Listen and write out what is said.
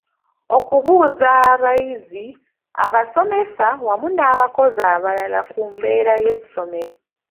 Okubuuza abayizi, abasomesa wamu n'abakozi abalala ku mbeera y'essomero.